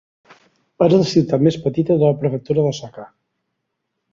És la ciutat més petita de la Prefectura d'Osaka.